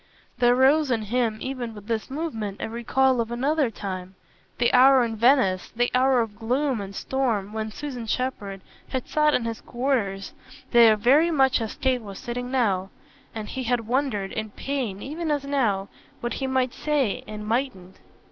There rose in him even with this movement a recall of another time the hour in Venice, the hour of gloom and storm, when Susan Shepherd had sat in his quarters there very much as Kate was sitting now, and he had wondered, in pain even as now, what he might say and mightn't.